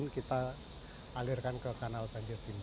kita alirkan ke kanal banjir timur